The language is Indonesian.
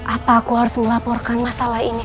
apa aku harus melaporkan masalah ini